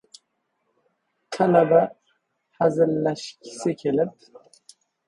Talaba hazillashgisi kelib: